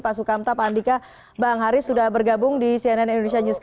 pak sukamta pak andika bang haris sudah bergabung di cnn indonesia newscast